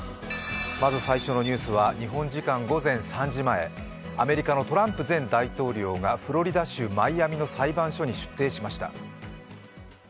まず最初のニュースは日本時間午前３時前アメリカのトランプ前大統領がフロリダ州マイアミの裁判所に出廷しました。